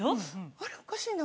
あれおかしいな。